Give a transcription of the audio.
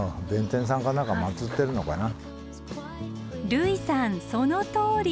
類さんそのとおり！